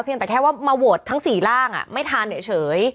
เพียงแต่แค่ว่ามาโหวตทั้ง๔ร่างอะไม่ทันเนี่ยเฉย